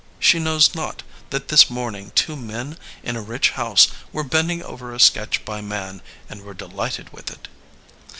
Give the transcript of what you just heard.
She knows not that this morning two men in a rich house were bending over a sketch by Man and were delighted with it."